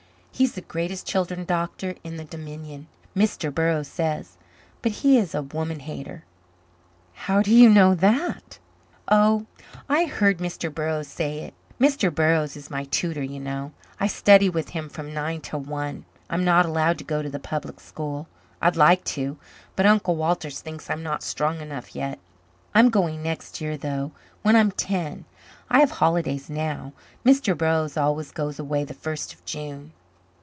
He's the greatest children's doctor in the Dominion, Mr. Burroughs says. But he is a woman hater." "How do you know that?" "Oh, I heard Mr. Burroughs say it. Mr. Burroughs is my tutor, you know. I study with him from nine till one. I'm not allowed to go to the public school. I'd like to, but Uncle Walter thinks I'm not strong enough yet. I'm going next year, though, when I'm ten. I have holidays now. Mr. Burroughs always goes away the first of June."